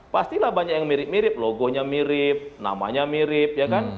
pastilah banyak yang mirip mirip logonya mirip namanya mirip ya kan